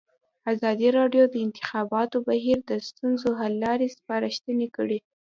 ازادي راډیو د د انتخاباتو بهیر د ستونزو حل لارې سپارښتنې کړي.